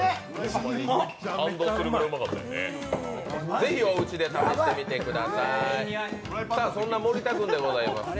ぜひおうちで試してみてください。